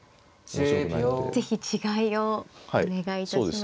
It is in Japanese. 是非違いをお願いいたします。